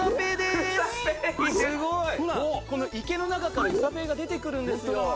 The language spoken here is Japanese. すごい！この池の中からうさペイが出てくるんですよ。